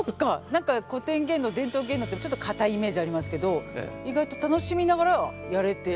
何か古典芸能伝統芸能ってちょっと堅いイメージありますけど意外と楽しみながらやれてらっしゃるっていうこと。